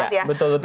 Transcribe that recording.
iya betul betul